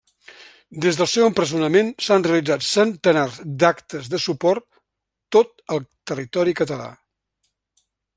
Des del seu empresonament s'han realitzat centenars d'actes de suport tot el territori català.